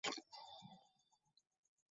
Tercera división del fútbol de Auckland.